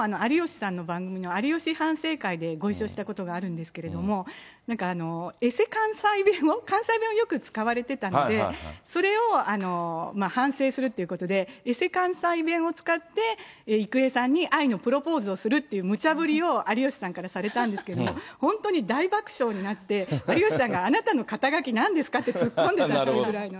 んですけれども、えせ関西弁を、関西弁をよく使われてたので、それを反省するっていうことで、えせ関西弁を使って、郁恵さんに愛のプロポーズをするっていうむちゃぶりを有吉さんからされたんですけれども、本当に大爆笑になって、有吉さんがあなたの肩書なんですか？って突っ込んでたぐらいの。